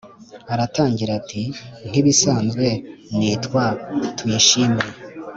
aratangira ati”nkibisanzwe nitwa tuyishime